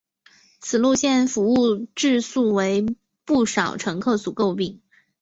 此路线服务质素为不少乘客所诟病。